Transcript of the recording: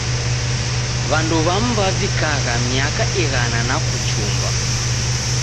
W'andu w'amu w'avikagha miaka ighana na kuchumba.